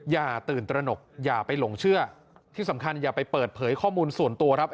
อย่าตื่นตระหนกอย่าไปหลงเชื่อที่สำคัญอย่าไปเปิดเผยข้อมูลส่วนตัวครับ